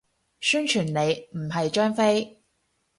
宣傳你，唔係張飛